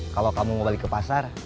kalau kamu mau balik ke pasar